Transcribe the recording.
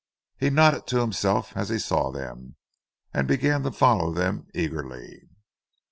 He nodded to himself as he saw them, and began to follow them eagerly.